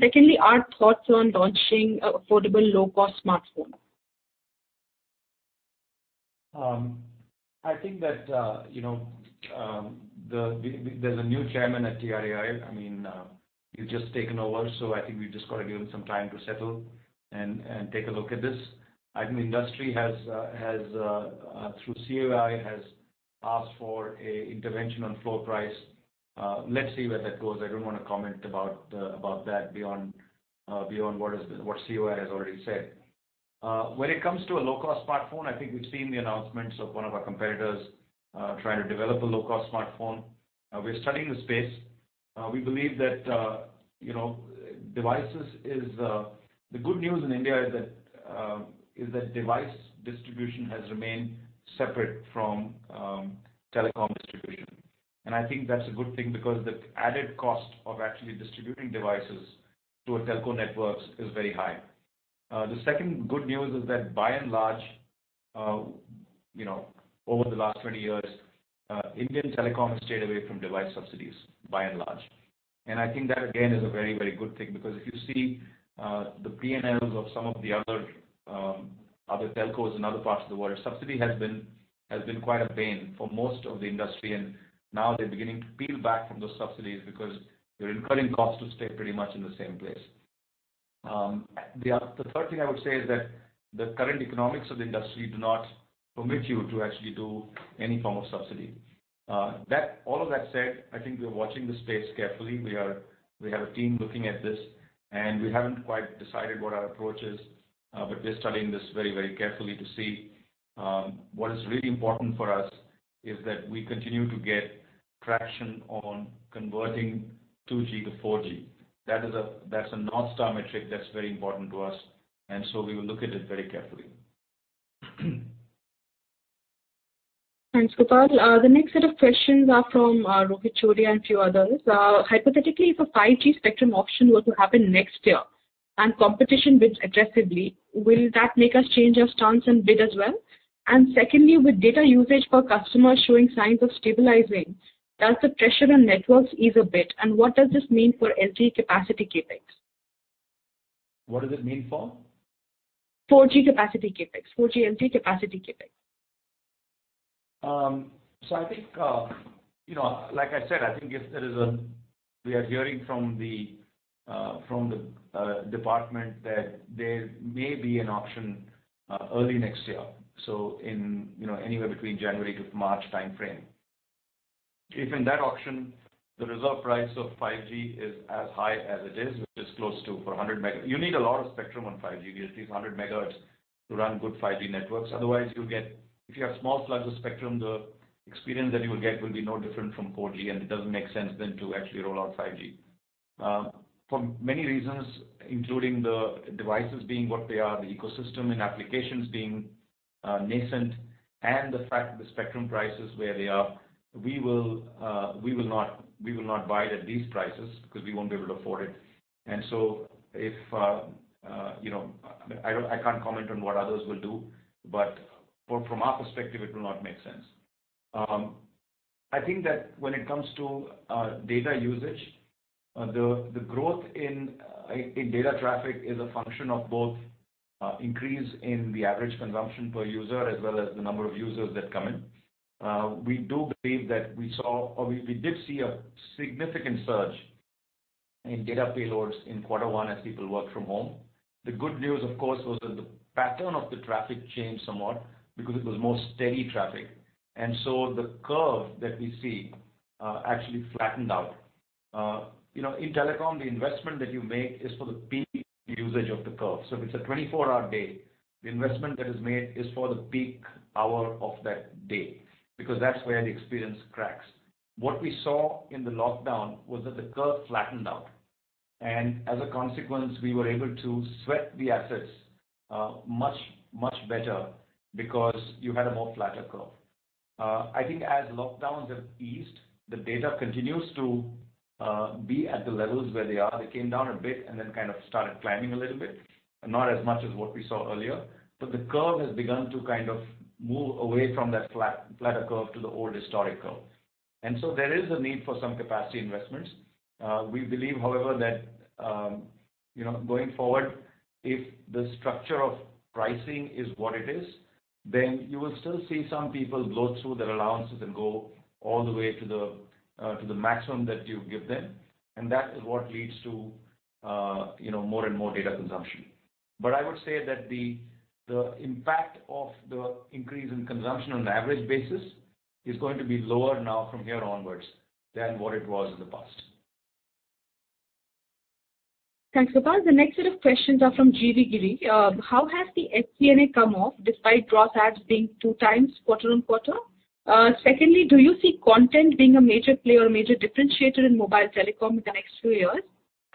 Secondly, are thoughts on launching affordable low-cost smartphones? I think that, you know, there's a new chairman at TRAI. I mean, he's just taken over, so I think we've just got to give him some time to settle and take a look at this. I think the industry has, through COAI, has asked for an intervention on floor price. Let's see where that goes. I don't want to comment about that beyond what COAI has already said. When it comes to a low-cost smartphone, I think we've seen the announcements of one of our competitors trying to develop a low-cost smartphone. We're studying the space. We believe that, you know, devices is the good news in India is that device distribution has remained separate from telecom distribution. I think that's a good thing because the added cost of actually distributing devices to telco networks is very high. The second good news is that by and large, you know, over the last 20 years, Indian telecom has stayed away from device subsidies, by and large. I think that again is a very, very good thing because if you see the P&Ls of some of the other telcos in other parts of the world, subsidy has been quite a pain for most of the industry, and now they're beginning to peel back from those subsidies because they're incurring costs to stay pretty much in the same place. The third thing I would say is that the current economics of the industry do not permit you to actually do any form of subsidy. All of that said, I think we're watching the space carefully. We have a team looking at this, and we haven't quite decided what our approach is, but we're studying this very, very carefully to see what is really important for us is that we continue to get traction on converting 2G to 4G. That's a North Star metric that's very important to us, and so we will look at it very carefully. Thanks, Gopal. The next set of questions are from Rohit Chodia and a few others. Hypothetically, if a 5G spectrum auction were to happen next year and competition wins aggressively, will that make us change our stance and bid as well? Secondly, with data usage per customer showing signs of stabilizing, does the pressure on networks ease a bit? What does this mean for LTE capacity CapEx? What does it mean for 4G capacity CapEx, 4G LTE capacity CapEx? I think, you know, like I said, I think if there is a, we are hearing from the department that there may be an auction early next year, in, you know, anywhere between January to March timeframe. If in that option, the reserve price of 5G is as high as it is, which is close to for 100, you need a lot of spectrum on 5G, these 100 MHz to run good 5G networks. Otherwise, you'll get, if you have small slugs of spectrum, the experience that you will get will be no different from 4G, and it doesn't make sense then to actually roll out 5G. For many reasons, including the devices being what they are, the ecosystem and applications being nascent, and the fact that the spectrum price is where they are, we will not buy it at these prices because we won't be able to afford it. If, you know, I can't comment on what others will do, but from our perspective, it will not make sense. I think that when it comes to data usage, the growth in data traffic is a function of both increase in the average consumption per user as well as the number of users that come in. We do believe that we saw, or we did see a significant surge in data payloads in quarter one as people worked from home. The good news, of course, was that the pattern of the traffic changed somewhat because it was more steady traffic, and so the curve that we see actually flattened out. You know, in telecom, the investment that you make is for the peak usage of the curve. If it's a 24-hour day, the investment that is made is for the peak hour of that day because that's where the experience cracks. What we saw in the lockdown was that the curve flattened out, and as a consequence, we were able to sweat the assets much, much better because you had a more flatter curve. I think as lockdowns have eased, the data continues to be at the levels where they are. They came down a bit and then kind of started climbing a little bit, not as much as what we saw earlier, but the curve has begun to kind of move away from that flatter curve to the old historic curve. There is a need for some capacity investments. We believe, however, that, you know, going forward, if the structure of pricing is what it is, then you will still see some people blow through their allowances and go all the way to the maximum that you give them. That is what leads to, you know, more and more data consumption. I would say that the impact of the increase in consumption on an average basis is going to be lower now from here onwards than what it was in the past. Thanks, Gopal. The next set of questions are from Jivigiri. How has the SCNA come off despite DROS apps being two times quarter on quarter? Secondly, do you see content being a major player or major differentiator in mobile telecom in the next few years?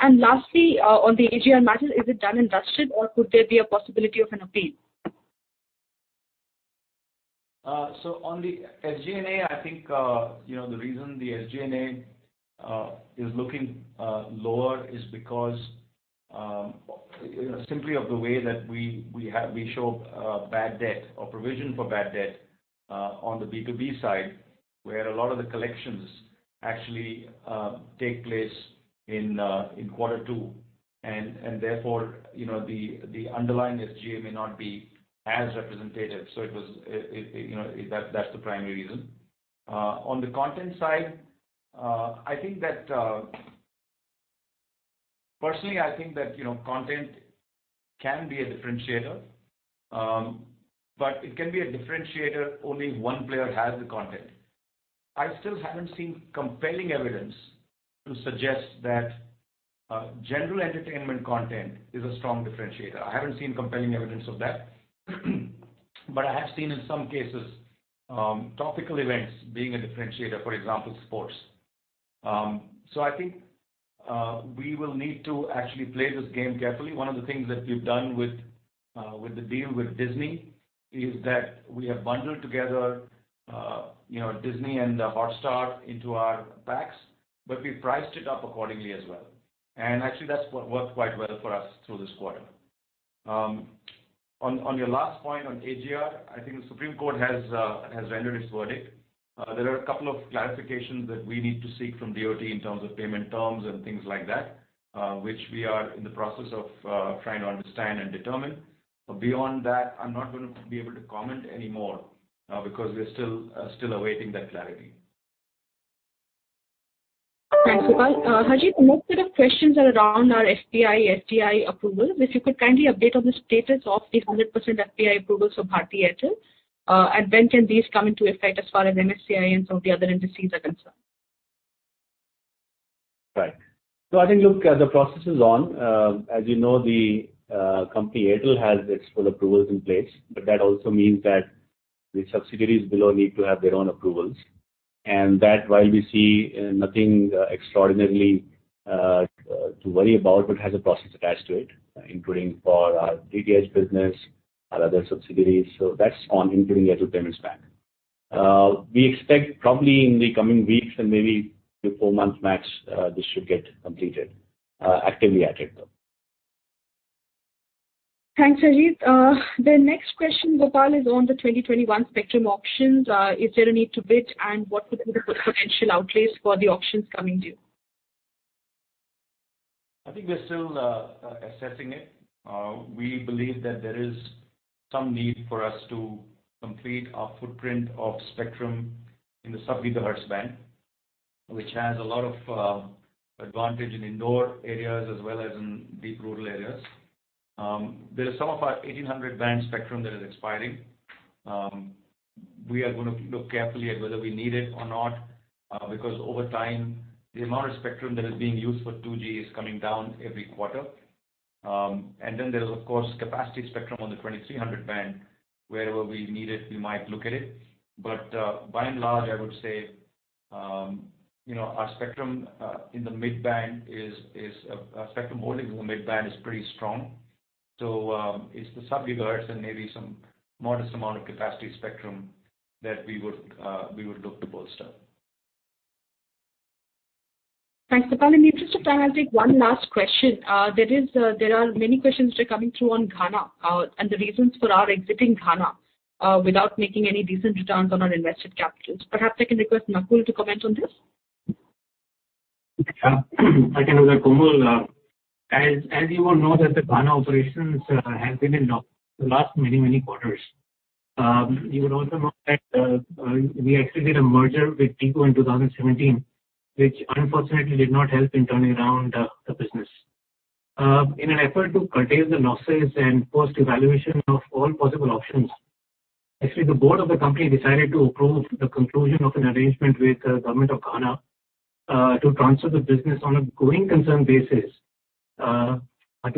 Lastly, on the AGR matters, is it done and dusted, or could there be a possibility of an appeal? On the SG&A, I think, you know, the reason the SG&A is looking lower is because, you know, simply of the way that we show bad debt or provision for bad debt on the B2B side, where a lot of the collections actually take place in quarter two. Therefore, you know, the underlying SG&A may not be as representative. That is, you know, that's the primary reason. On the content side, I think that personally, I think that, you know, content can be a differentiator, but it can be a differentiator only if one player has the content. I still have not seen compelling evidence to suggest that general entertainment content is a strong differentiator. I have not seen compelling evidence of that, but I have seen in some cases topical events being a differentiator, for example, sports. I think we will need to actually play this game carefully. One of the things that we've done with the deal with Disney is that we have bundled together, you know, Disney and Hotstar into our packs, but we priced it up accordingly as well. Actually, that's worked quite well for us through this quarter. On your last point on AGR, I think the Supreme Court has rendered its verdict. There are a couple of clarifications that we need to seek from the Department of Telecommunications in terms of payment terms and things like that, which we are in the process of trying to understand and determine. Beyond that, I'm not going to be able to comment anymore because we're still awaiting that clarity. Thanks, Gopal. Harjeet, the next set of questions are around our FPI, FDI approvals. If you could kindly update on the status of the 100% FPI approvals for Bharti Airtel, and when can these come into effect as far as MSCI and some of the other indices are concerned? Right. I think, look, the process is on. As you know, the company Airtel has its full approvals in place, but that also means that the subsidiaries below need to have their own approvals. That, while we see nothing extraordinary to worry about, has a process attached to it, including for our DTH business, our other subsidiaries. That is on, including Airtel Payments Bank. We expect probably in the coming weeks and maybe a few months max, this should get completed actively at Airtel. Thanks, Harjeet. The next question, Gopal, is on the 2021 spectrum options. Is there a need to bid, and what would be the potential outlays for the options coming due? I think we're still assessing it. We believe that there is some need for us to complete our footprint of spectrum in the sub-gigahertz band, which has a lot of advantage in indoor areas as well as in deep rural areas. There is some of our 1800-band spectrum that is expiring. We are going to look carefully at whether we need it or not because over time, the amount of spectrum that is being used for 2G is coming down every quarter. There is, of course, capacity spectrum on the 2,300-band. Wherever we need it, we might look at it. By and large, I would say, you know, our spectrum in the mid-band is, our spectrum holding in the mid-band is pretty strong. It's the sub-gigahertz and maybe some modest amount of capacity spectrum that we would look to bolster. Thanks, Gopal. Just to finally take one last question, there are many questions that are coming through on Ghana and the reasons for our exiting Ghana without making any decent returns on our invested capitals. Perhaps I can request Nakul to comment on this. Yeah, I can do that. Komal, as you will know, the Ghana operations have been in the last many, many quarters. You would also know that we actually did a merger with TECO in 2017, which unfortunately did not help in turning around the business. In an effort to curtail the losses and post-evaluation of all possible options, actually, the board of the company decided to approve the conclusion of an arrangement with the government of Ghana to transfer the business on a going-concern basis to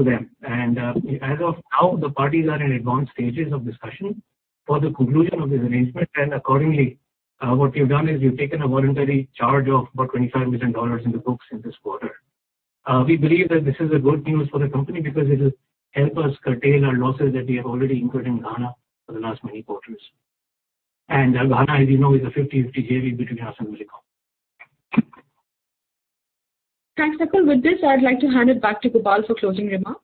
them. As of now, the parties are in advanced stages of discussion for the conclusion of this arrangement. Accordingly, what you've done is you've taken a voluntary charge of about $25 million in the books in this quarter. We believe that this is good news for the company because it'll help us curtail our losses that we have already incurred in Ghana for the last many quarters. Ghana, as you know, is a 50/50 between us and Millicom. Thanks, Nakul. With this, I'd like to hand it back to Gopal for closing remarks.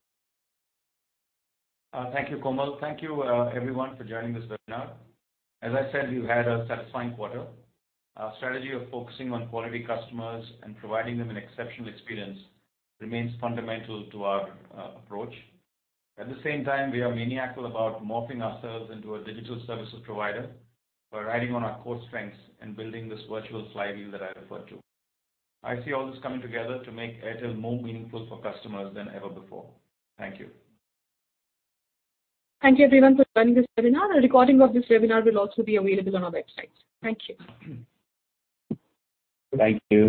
Thank you, Komal. Thank you, everyone, for joining this webinar. As I said, we've had a satisfying quarter. Our strategy of focusing on quality customers and providing them an exceptional experience remains fundamental to our approach. At the same time, we are maniacal about morphing ourselves into a digital services provider by riding on our core strengths and building this virtual flywheel that I referred to. I see all this coming together to make Airtel more meaningful for customers than ever before. Thank you. Thank you, everyone, for joining this webinar. A recording of this webinar will also be available on our website. Thank you. Thank you.